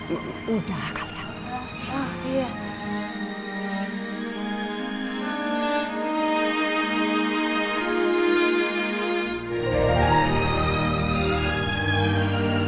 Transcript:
eh udah kalian